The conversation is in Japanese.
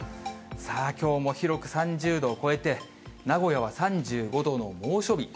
きょうも広く３０度を超えて、名古屋は３５度の猛暑日。